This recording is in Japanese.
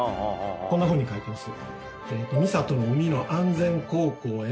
こんなふうに書いてます。